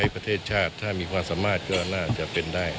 ประเทศชาติถ้ามีความสามารถก็น่าจะเป็นได้